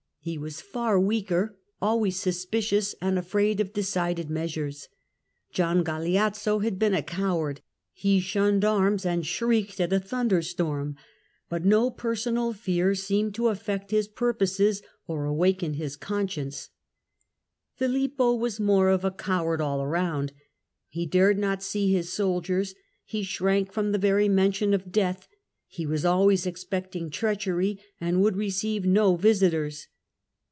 He was far weaker, always suspicious and afraid of decided measures. Gian Galeazzo had been a coward, he shunned arms, and shrieked at a thunder storm, but no personal fear seemed to affect his purposes or awaken his conscience ; Filippo was more of a coward all round. He dared not see his soldiers, he shrank from the very mention of death, he was always expecting treachery, and would receive no visitors.